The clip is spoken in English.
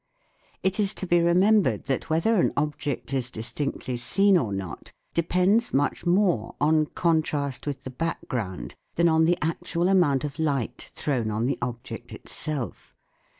It is to be remembered that whether an object is distinctly seen or not depends much more on contrast with the background than on the actual amount of light thrown on the object itself.